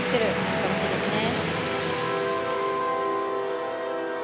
素晴らしいですね。